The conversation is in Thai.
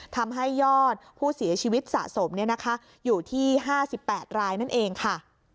ทำให้ยอดผู้เสียชีวิตสะสมอยู่ที่๕๘รายนั่นเองค่ะ